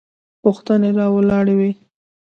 پوښتنې راولاړوي.